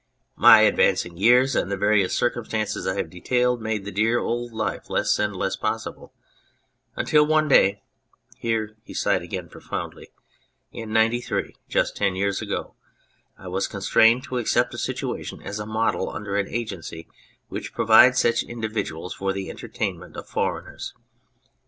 My advancing years, and the various circumstances I have detailed, made the dear old life less and less possible, until one day " (here he sighed again pro foundly) " in '93, just ten years ago, I was constrained to accept a situation as a model under an agency which provides such individuals for the entertain ment of foreigners.